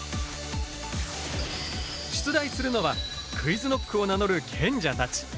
出題するのはＱｕｉｚＫｎｏｃｋを名乗る賢者たち。